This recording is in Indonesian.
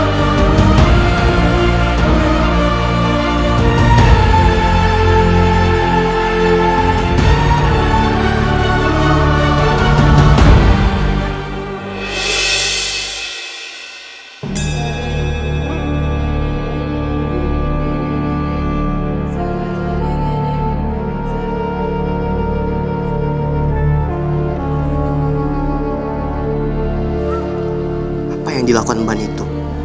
terima kasih gusti ratu